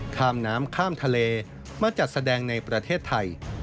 ข้ามน้ำข้ามทะเลมาจัดแสดงในประเทศไทย